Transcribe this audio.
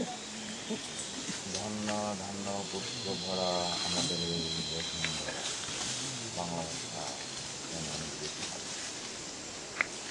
তিনি কি আরেকটি সূর্যালোক দেখতে পাবেন?